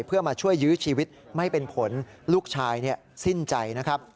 เพื่อมาช่วยยื้อชีวิตไม่เป็นผลลูกชายสิ้นใจนะครับ